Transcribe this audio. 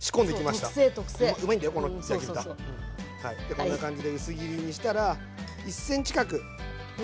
こんな感じで薄切りにしたら１ｃｍ角の。